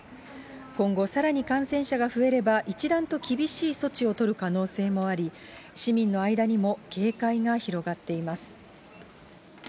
今後、さらに感染者が増えれば一段と厳しい措置を取る可能性もあり、市民の間にも警戒が広がっています。